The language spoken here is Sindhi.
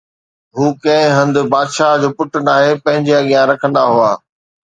هو ڪنهن هنڌ بادشاهه جو بت ٺاهي پنهنجي اڳيان رکندا هئا